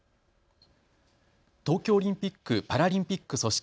東京オリンピック・パラリンピック組織